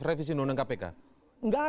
revisi undang undang kpk